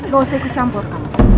gak usah ikut campur